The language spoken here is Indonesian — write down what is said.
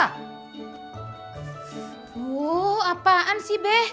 hooo apaan sih beh